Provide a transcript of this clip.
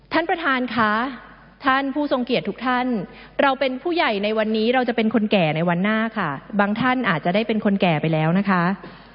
ท่านประธานค่ะท่านผู้ทรงเกียจทุกท่านเราเป็นผู้ใหญ่ในวันนี้เราจะเป็นคนแก่ในวันหน้าค่ะบางท่านอาจจะได้เป็นคนแก่ไปแล้วนะคะ